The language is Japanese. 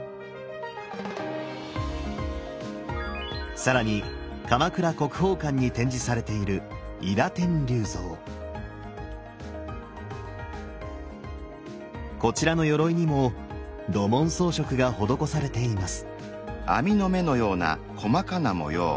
更に鎌倉国宝館に展示されているこちらのよろいにも土紋装飾が施されています。